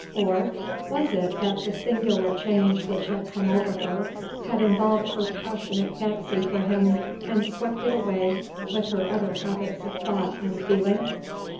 Or was it that the singular change which had come over her had involved her passionate fancy for him and swept it away with her other habits of thought and feeling?